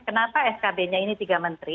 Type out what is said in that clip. kenapa skb nya ini tiga menteri